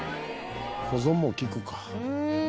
保存も利くか。